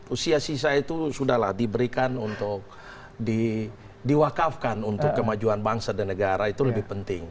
usia sisa itu sudahlah diberikan untuk diwakafkan untuk kemajuan bangsa dan negara itu lebih penting